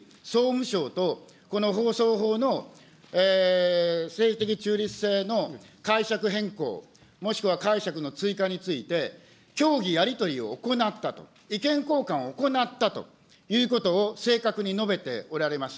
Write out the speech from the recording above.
当時、総務省とこの放送法の政治的中立性の解釈変更、もしくは解釈の追加について、協議、やり取りを行ったと、意見交換を行ったということを正確に述べておられます。